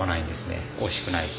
おいしくない。